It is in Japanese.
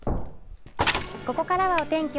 ここからはお天気